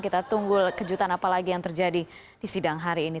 kita tunggu kejutan apa lagi yang terjadi di sidang hari ini